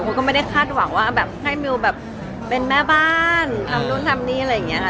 ก็ไม่ได้คาดหวังว่าแบบให้มิวแบบเป็นแม่บ้านทำนู่นทำนี่อะไรอย่างนี้ค่ะ